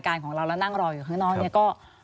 ควิทยาลัยเชียร์สวัสดีครับ